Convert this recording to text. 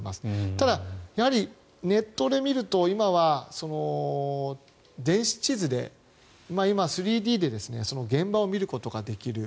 ただ、ネットで見ると今は電子地図で今、３Ｄで現場を見ることができる。